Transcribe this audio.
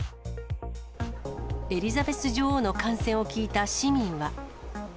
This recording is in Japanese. エリザベス女王の感染を聞いた市民は。